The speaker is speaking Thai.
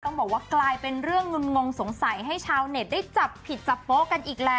บอกว่ากลายเป็นเรื่องงุนงงสงสัยให้ชาวเน็ตได้จับผิดจับโป๊ะกันอีกแล้ว